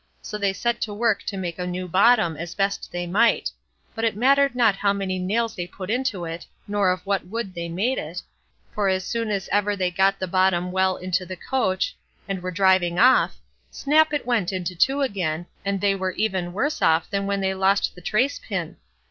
So they set to work to make a new bottom as they best might; but it mattered not how many nails they put into it, nor of what wood they made it, for as soon as ever they got the bottom well into the coach and were driving off, snap it went in two again, and they were even worse off than when they lost the trace pin.